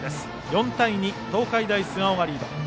４対２と東海大菅生がリード。